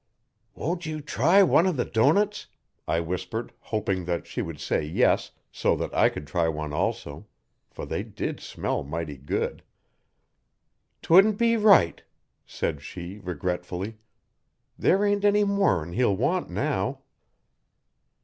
'Won't you try one o' the doughnuts,' I whispered hoping that she would say yes so that I could try one also; for they did smell mighty good. ''Twouldn't be right,' said she regretfully. 'There ain't any more 'n he'll want now.